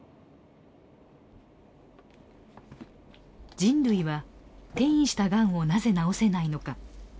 「人類は転移したがんをなぜ治せないのか」。